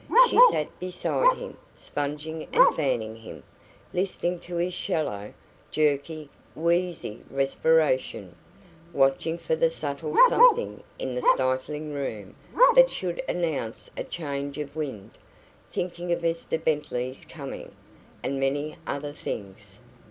She sat beside him, sponging and fanning him, listening to his shallow, jerky, wheezy respiration, watching for the subtle something in the stifling room that should announce a change of wind, thinking of Mr Bentley's coming, and many other things.